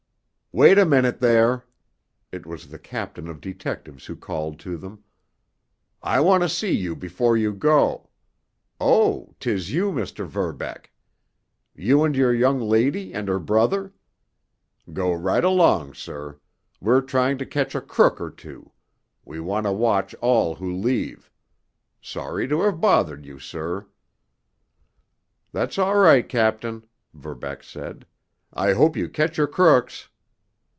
"Wait a minute there!" It was the captain of detectives who called to them. "I want to see you before you go—— Oh, 'tis you, Mr. Verbeck? You and your young lady and her brother? Go right along, sir. We're trying to catch a crook or two—we want to watch all who leave. Sorry to have bothered you, sir——" "That's all right, captain," Verbeck said. "I hope you catch your crooks."